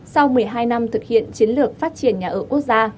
sau một mươi hai năm thực hiện chiến lược phát triển nhà ở quốc gia